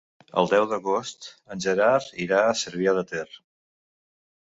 El deu d'agost en Gerard irà a Cervià de Ter.